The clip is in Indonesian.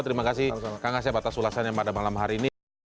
terima kasih kang asep atas ulasannya pada malam hari ini